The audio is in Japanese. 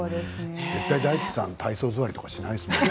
絶対に大地さん体操座りとかしないですもんね。